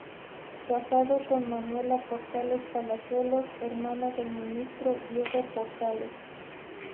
Casado con Manuela Portales Palazuelos, hermana del ministro Diego Portales.